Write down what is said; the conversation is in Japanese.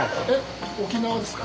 沖縄ですか？